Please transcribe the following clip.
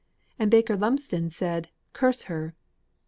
and Baker Lumsden said, 'Curse her!'"